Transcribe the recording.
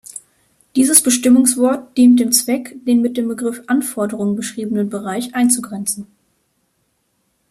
Dieses Bestimmungswort dient dem Zweck den mit dem Begriff Anforderung beschriebenen Bereich einzugrenzen.